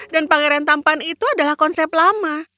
dan pangeran tampan itu adalah konsep lama